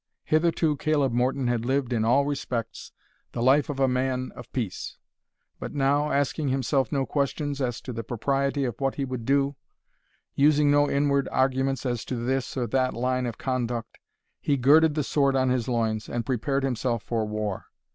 Hitherto Caleb Morton had lived in all respects the life of a man of peace; but now, asking himself no questions as to the propriety of what he would do, using no inward arguments as to this or that line of conduct, he girded the sword on his loins, and prepared himself for war.